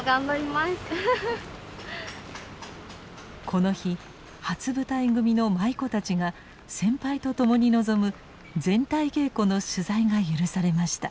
この日初舞台組の舞妓たちが先輩と共に臨む全体稽古の取材が許されました。